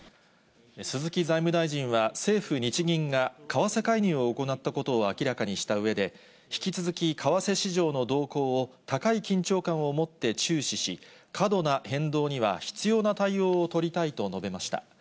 鈴木財務大臣は、政府・日銀が為替介入を行ったことを明らかにしたうえで、引き続き、為替市場の動向を、高い緊張感を持って注視し、過度な変動には必要な対応を取りたいと述べました。